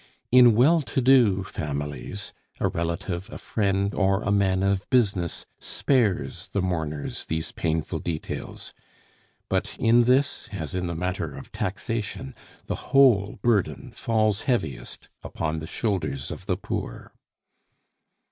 In well to do families, a relative, a friend, or a man of business spares the mourners these painful details; but in this, as in the matter of taxation, the whole burden falls heaviest upon the shoulders of the poor.